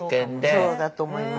そうだと思います。